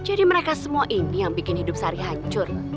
jadi mereka semua ini yang bikin hidup sari hancur